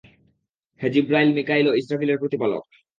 হে জিবরাঈল, মীকাঈল ও ইসরাফীল-এর প্রতিপালক!